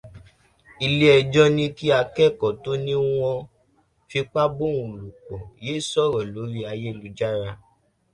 Iléẹjọ́ ní kí akẹ́kọ̀ọ́ tó ní wọ́n fipá bóun lòpọ̀ yé sọ̀rọ̀ lórí ayélujára.